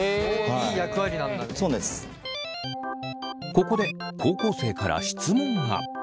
ここで高校生から質問が。